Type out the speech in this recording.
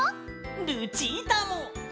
ルチータも！